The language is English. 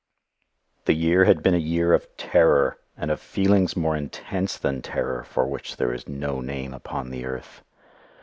The year had been a year of terror, and of feeling more intense than terror for which there is no name upon the earth.